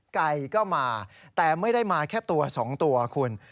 ไก่ก็มาแต่ไม่ได้มาแค่ตัว๒ตัวคุณ